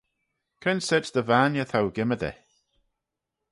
Cre'n sorçh dy vainney t'ou gymmydey?